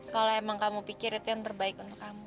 kalau emang kamu pikir itu yang terbaik untuk kamu